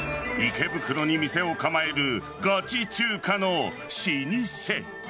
池袋に店を構えるガチ中華の老舗。